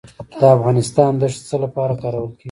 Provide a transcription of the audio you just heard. د افغانستان دښتې د څه لپاره کارول کیږي؟